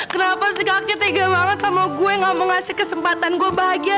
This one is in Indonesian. kenapa si kakaknya tega banget sama gue gak mau ngasih kesempatan gua bahagia